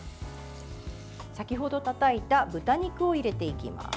先ほどたたいた豚肉を入れていきます。